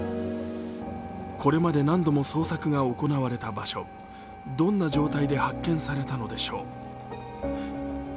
これまで何度も捜索が行われた場所、どんな状態で発見されたのでしょう。